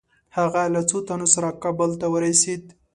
هغه له څو تنو سره کابل ته ورسېد.